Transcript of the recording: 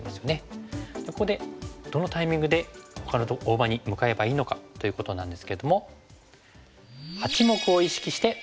ここでどのタイミングでほかの大場に向かえばいいのかということなんですけども。